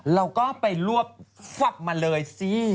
เราก็ไปรวบมาเลยสิ